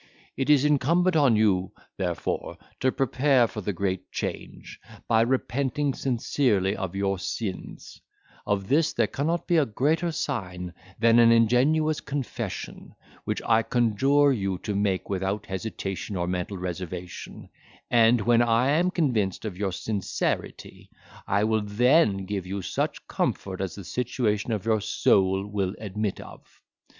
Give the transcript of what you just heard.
It is incumbent on you, therefore, to prepare for the great change, by repenting sincerely of your sins; of this there cannot be a greater sign, than an ingenuous confession, which I conjure you to make without hesitation or mental reservation; and, when I am convinced of your sincerity, I will then give you such comfort as the situation of your soul will admit of.